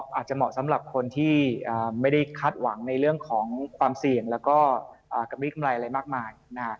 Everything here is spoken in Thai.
เหมาะสำหรับคนที่ไม่ได้คาดหวังในเรื่องของความเสี่ยงแล้วก็กำลีกำไรอะไรมากมาย